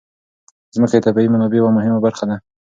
ځمکه د طبیعي منابعو یوه مهمه برخه ده.